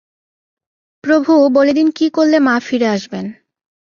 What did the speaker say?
প্রভু, বলে দিন কী করলে মা ফিরে আসবেন।